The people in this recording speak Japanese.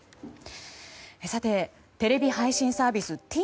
テレビ配信サービス